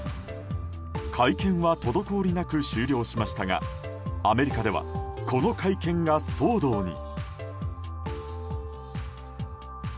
会見は滞りなく終了しましたがアメリカではこの会見が騒動に。